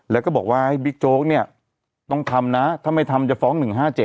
แล้วก็บอกว่าให้บิ๊กโจ๊กเนี่ยต้องทำนะถ้าไม่ทำจะฟ้อง๑๕๗